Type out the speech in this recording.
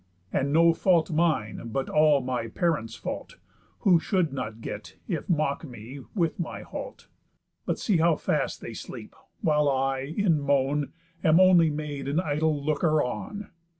And no fault mine, but all my parent's fault, Who should not get, if mock me, with my halt. But see how fast they sleep, while I, in moan, Am only made an idle looker on.